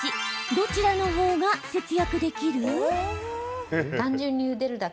どちらの方が節約できる？